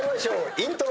イントロ。